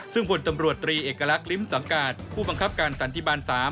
ซึ่งผลตำรวจตรีเอกลักษณ์ลิ้มสังกาศผู้บังคับการสันติบาล๓